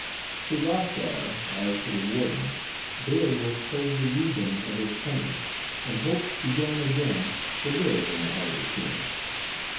To Hrothgar, as to the warden, Beowulf told the reason of his coming, and hope began again to live in the heart of the king.